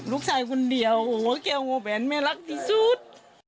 ลูกชายคนเดียวเกลียวโงแวนแม่รักที่สุด